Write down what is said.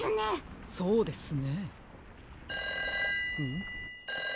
そうですね。